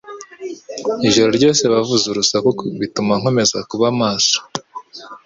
Ijoro ryose bavuza urusaku, bituma nkomeza kuba maso.